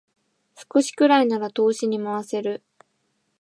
少しくらいなら投資に回せる